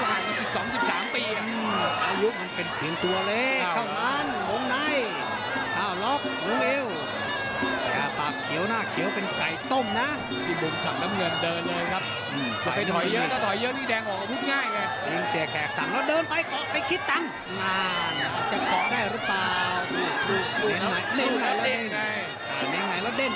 หน้าหน้าจะเกาะได้หรือเปล่านั่งไหนนั่งไหนแล้วเด้นนั่งไหนแล้วเด้น